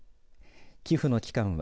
寄付の期間は